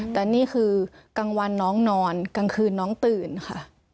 แต่นี่คือกลางวันน้องนอนกลางคืนน้องตื่นค่ะ